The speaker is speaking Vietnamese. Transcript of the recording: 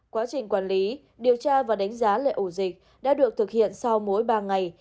quá trình quản lý điều tra và đánh giá lệ ổ dịch đã được thực hiện sau mỗi ba ngày